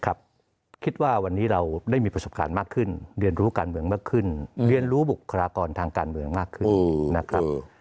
คิดว่าวันนี้เราได้มีประสบการณ์มากขึ้นเรียนรู้การเมืองมากขึ้นเรียนรู้บุคลากรทางการเมืองมากขึ้นนะครับ